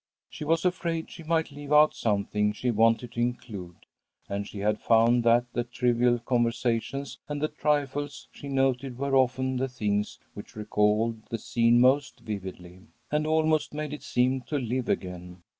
She was afraid she might leave out something she wanted to include, and she had found that the trivial conversations and the trifles she noted were often the things which recalled a scene most vividly, and almost made it seem to live again.